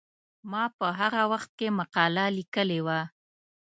ما په هغه وخت کې مقاله لیکلې وه.